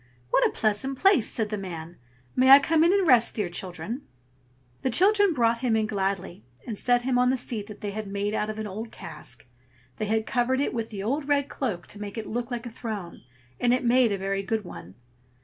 "What a pleasant place!" said the man. "May I come in and rest, dear children?" The children brought him in gladly, and set him on the seat that they had made out of an old cask. They had covered it with the old red cloak to make it look like a throne, and it made a very good one.